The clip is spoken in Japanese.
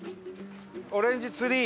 オレンジツリー！